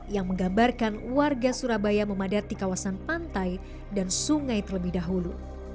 yang menggambarkan warga surabaya memadati kawasan pantai dan sungai terlebih dahulu